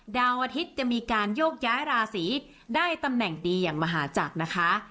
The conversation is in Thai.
ดาวอาทิตย์จะมีการโยกย้ายราศีได้ตำแหน่งดีอย่างมหาจักรนะคะ